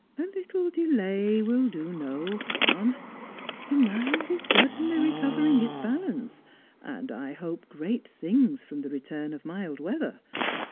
" A little delay will do no harm. The mind is certainly recovering its balance, and I hope great things from the return of mild weather.